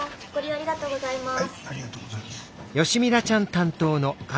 ありがとうございます。